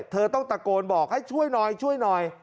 เธอต้องตะโกนบอกให้ช่วยหน่อยช่วยหน่อย